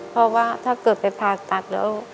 เพราะว่าถ้าเกิดไปผ่าตัดแล้ว